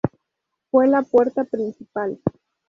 Fue la puerta principal.